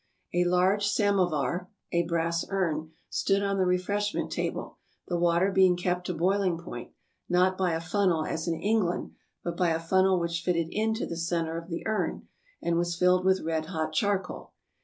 A large samovar (a brass urn) stood on the refreshment table, the water being kept to boiling point, not by a funnel as in England, but by a funnel which fitted into the center of the urn, and was filled with red hot charcoal.